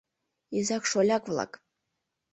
ИЗАК-ШОЛЯК-ВЛАК